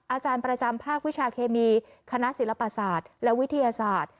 อาจารย์ประจำภาควิชาเคมีคณะศิลปศาสตร์และวิทยาศาสตร์